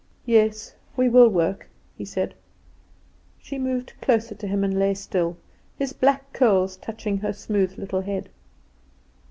"Yes, we will work," he said. She moved closer to him and lay still, his black curls touching her smooth little head.